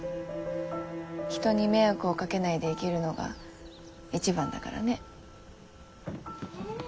人に迷惑をかけないで生きるのが一番だからね。